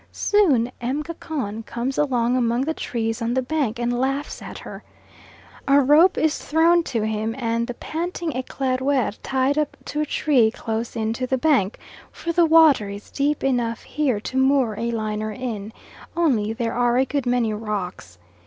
Soon M. Gacon comes along among the trees on the bank, and laughs at her. A rope is thrown to him, and the panting Eclaireur tied up to a tree close in to the bank, for the water is deep enough here to moor a liner in, only there are a good many rocks.